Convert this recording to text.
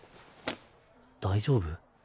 大丈夫？